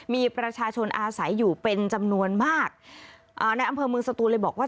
มีประชาชนอาศัยอยู่เป็นจำนวนมากอ่าในอำเภอเมืองสตูนเลยบอกว่า